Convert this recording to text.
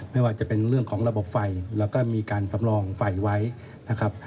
ไม่ว่าจะเป็นเรื่องของระบบไฟแล้วก็มีการสำรองไฟไว้นะครับ